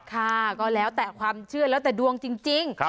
ก็แล้วแต่ความเชื่อแล้วแต่ดวงจริง